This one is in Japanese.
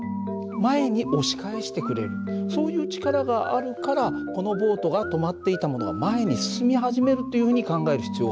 そういう力があるからこのボートが止まっていたものが前に進み始めるっていうふうに考える必要があるんだよね。